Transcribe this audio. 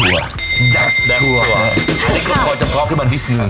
อันนี้ก็พอจะพล็อกให้มันพิษหนึ่ง